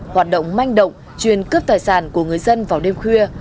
hoạt động manh động chuyên cướp tài sản của người dân vào đêm khuya